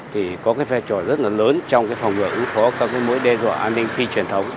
thì có phép trò rất là lớn trong phòng ngừa ứng phó các mối đe dọa an ninh phi truyền thống